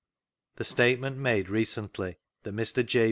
The statement made redently that Mr. J.